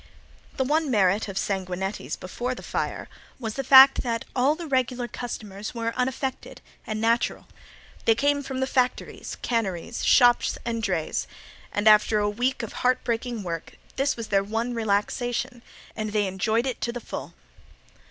The one merit of Sanguinetti's before the fire was the fact that all the regular customers were unaffected and natural. They came from the factories, canneries, shops, and drays, and after a week of heart breaking work this was their one relaxation and they enjoyed it to the full.